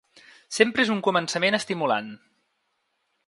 Sempre és un començament estimulant.